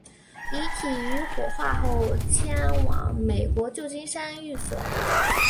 遗体于火化后迁往美国旧金山寓所。